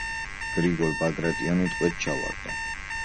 გრიგოლ ბაგრატიონი ტყვედ ჩავარდა.